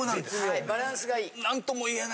バランスがいい。